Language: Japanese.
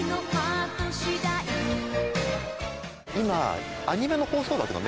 今。